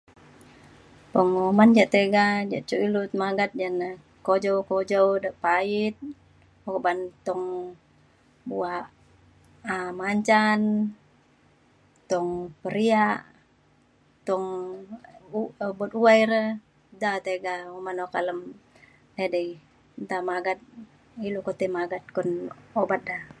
penguman ja tiga ja cuk ilu magat ja na kujau kujau de pait uban tung buak um manjan tung peria tung be- wai re. da tega uman kalem edei nta magat ilu ke tai magat kun ubat da.